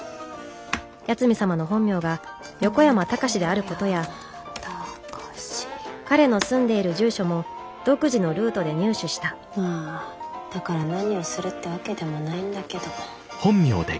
八海サマの本名が横山崇であることや彼の住んでいる住所も独自のルートで入手したまあだから何をするってわけでもないんだけど。